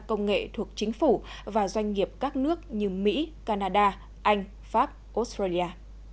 công nghệ thuộc chính phủ và doanh nghiệp các nước như mỹ canada anh pháp australia